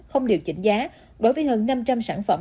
không điều chỉnh giá đối với hơn năm trăm linh sản phẩm